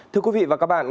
thưa quý vị và các bạn